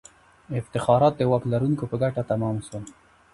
افتخارات د واک لرونکو په ګټه تمام سول.